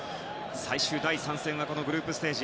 最終第３戦はグループステージ